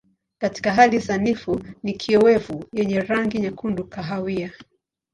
Katika hali sanifu ni kiowevu yenye rangi nyekundu kahawia.